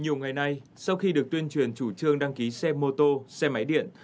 nhiều ngày nay sau khi được tuyên truyền chủ trương đăng ký xe mô tô xe máy điện